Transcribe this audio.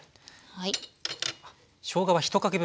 はい。